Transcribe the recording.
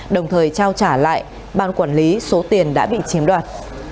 đồng thời trao trả lại ban quản lý số tiền đã bị chiếm đoạt